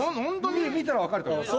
見たら分かると思います。